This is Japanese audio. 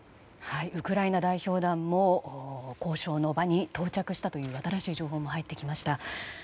ウクライナ代表団も交渉の場に到着したという新しい情報も入ってきました。